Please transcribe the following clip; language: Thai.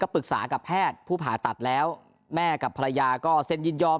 ปรึกษากับแพทย์ผู้ผ่าตัดแล้วแม่กับภรรยาก็เซ็นยินยอม